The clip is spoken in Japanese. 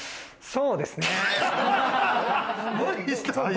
そうですね。